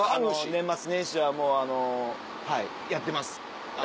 年末年始はもうはいやってます。